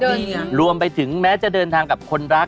นี่ไงรวมไปถึงแม้จะเดินทางกับคนรัก